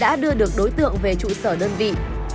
đã đưa được đối tượng về trụ sở đơn vị